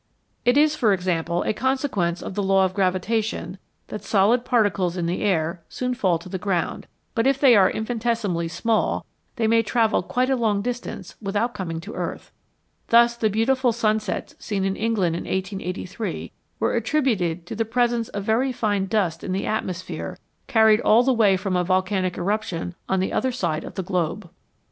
It is, for example, a consequence of the law of gravitation that solid particles in the air soon fall to the ground, but if they are infinitesimally small they may travel quite a long distance without coming to earth. Thus the beautiful sunsets seen in England in 1883 were attri buted to the presence of very fine dust in the atmos phere, carried all the way from a volcanic eruption on the other side of the globe.